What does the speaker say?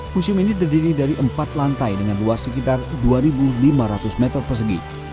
museum ini terdiri dari empat lantai dengan luas sekitar dua lima ratus meter persegi